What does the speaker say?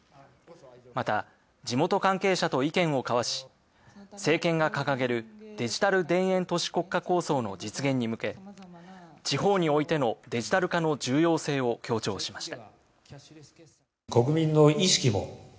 また、地元関係者と意見を交わし政権が掲げる「デジタル田園都市国家構想」の実現に向け、地元においてのデジタル化の重要性を強調しました。